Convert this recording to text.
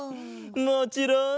もちろん！